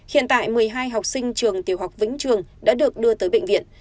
hiện tại một mươi hai học sinh trường tiểu học vĩnh trường đã được đưa tới bệnh viện